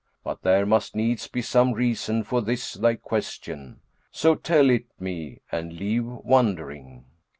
But there must needs be some reason for this thy question: so tell it me and leave wondering."